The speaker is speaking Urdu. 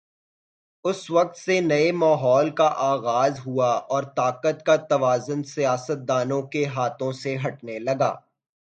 اس وقت سے نئے ماحول کا آغاز ہوا اور طاقت کا توازن سیاستدانوں کے ہاتھوں سے ہٹنے لگا۔